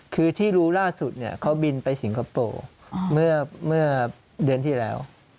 คือที่รู้ล่าสุดเขาบินไปสิงคโปร์เมื่อเดือนที่แล้ว